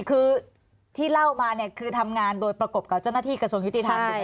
คือที่เล่ามาเนี่ยคือทำงานโดยประกบกับเจ้าหน้าที่กระทรวงยุติธรรม